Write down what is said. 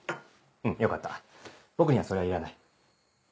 うんよかった僕にはそれはいらない。